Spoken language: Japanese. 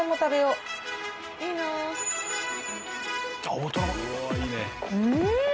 うん！